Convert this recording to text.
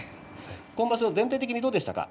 全体的にどうでしたか？